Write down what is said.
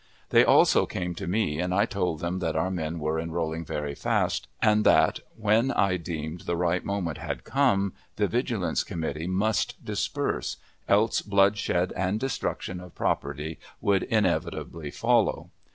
They also came to me, and I told them that our men were enrolling very fast, and that, when I deemed the right moment had come, the Vigilance Committee must disperse, else bloodshed and destruction of property would inevitably follow.